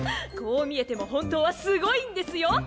こう見えても本当はすごいんですよ。